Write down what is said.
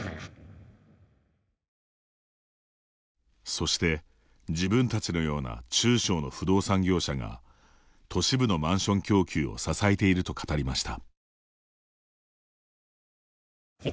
そして、自分たちのような中小の不動産業者が都市部のマンション供給を支えていると語りました。